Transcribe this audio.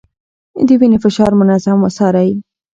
د وينې فشار منظم وڅارئ.